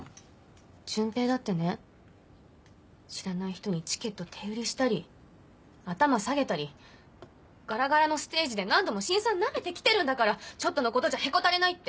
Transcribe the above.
潤平だってね知らない人にチケット手売りしたり頭下げたりガラガラのステージで何度も辛酸なめて来てるんだからちょっとのことじゃへこたれないって。